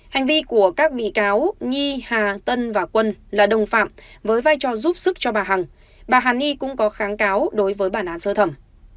hành vi của các bị cáo nhi hà tân và quân là đồng phạm với vai trò giúp sức cho bà hằng bà hằng nhi cũng có kháng cáo đối với bà nán sơ thẩm